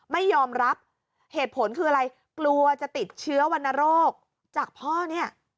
ไม่ยอมรับเหตุผลคืออะไรกลัวจะติดเชื้อวรรณโรคจากพ่อเนี่ย